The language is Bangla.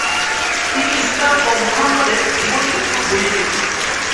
তিনি ইসলাম ও মুহাম্মাদের জীবনীর উপর বই লিখেছেন।